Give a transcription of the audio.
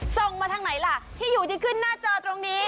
ส่งมาทางไหนล่ะที่อยู่ที่ขึ้นหน้าจอตรงนี้